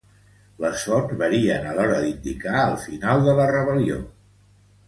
Les fonts varien a l'hora d'indicar el final de la rebel·lió.